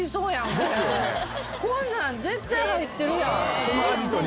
こんなん絶対入ってるやん。